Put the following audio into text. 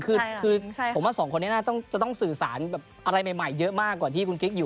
คือผมว่าสองคนนี้น่าจะต้องสื่อสารแบบอะไรใหม่เยอะมากกว่าที่คุณกิ๊กอยู่